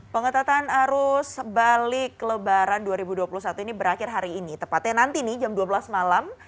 pengetatan arus balik lebaran dua ribu dua puluh satu ini berakhir hari ini tepatnya nanti nih jam dua belas malam